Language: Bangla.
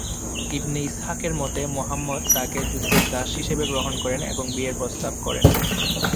ইবনে ইসহাকের মতে, মুহাম্মদ তাকে যুদ্ধের দাস হিসেবে গ্রহণ করেন এবং বিয়ের প্রস্তাব করেন।